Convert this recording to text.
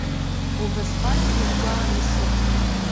Убасҟак сузгәааны сыҟоуп.